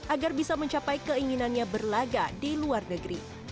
agar bisa mencapai keinginannya berlaga di luar negeri